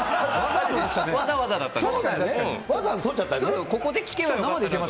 わざわざだったの。